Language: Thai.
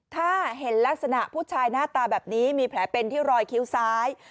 ถ้าเห็นลักษณะผู้ชายหน้าตาแบบนี้มีแผลเป็นที่รอยคิ้วซ้าย